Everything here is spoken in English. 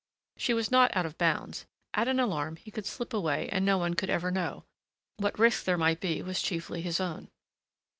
She was not out of bounds. At an alarm he could slip away and no one could ever know. What risk there might be was chiefly his own.